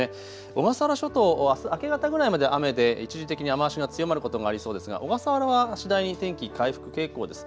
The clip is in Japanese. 小笠原諸島、あす明け方ぐらいまで雨で一時的に雨足が強まることもありそうですが、小笠原は次第に天気、回復傾向です。